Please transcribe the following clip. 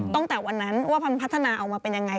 ตั้งแต่วันนั้นว่าพันธนาเอามาเป็นอย่างไร